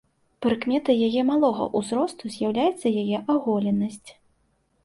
Прыкметай яе малога ўзросту з'яўляецца яе аголенасць.